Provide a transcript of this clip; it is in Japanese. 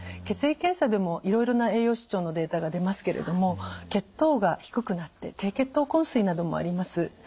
血液検査でもいろいろな栄養失調のデータが出ますけれども血糖が低くなって低血糖こん睡などもあります。